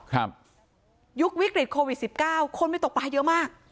ยุควิกฤตโควิดสิบเก้าคนไปตกปลาเยอะมาก